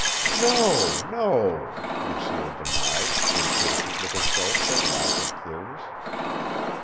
"No! No!" Lucille denied, impatient with herself for lack of clearness.